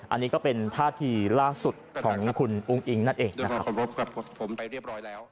อันนี้ก็เป็นท่าที่ล่าสุดของคุณอุ้งอิงนั่นเองนะครับ